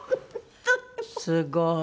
すごい。